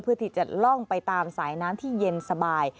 เพื่อที่จะล่องไปตามสายน้ำที่เย็นสบาย